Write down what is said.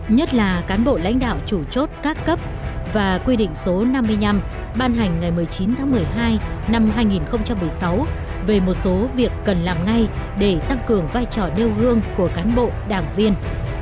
nhất là cán bộ lãnh đạo chủ chốt các cấp và quy định số năm mươi năm ban hành ngày một mươi chín tháng một mươi hai năm hai nghìn một mươi sáu về một số việc cần làm ngay để tăng cường vai trò nêu gương của cán bộ đảng viên